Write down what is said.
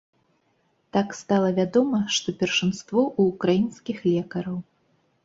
Так стала вядома, што першынство ў украінскіх лекараў.